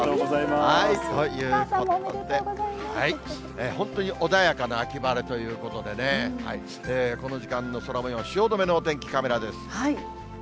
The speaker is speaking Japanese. ということで、本当に穏やかな秋晴れということでね、この時間の空もよう、汐留のお天気カメラです。